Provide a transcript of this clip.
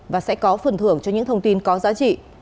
và sẽ có phần thưởng cho những thông tin có giá trị